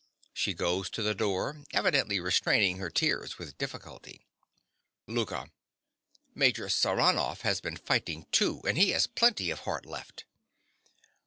(She goes to the door, evidently restraining her tears with difficulty.) LOUKA. Major Saranoff has been fighting, too; and he has plenty of heart left.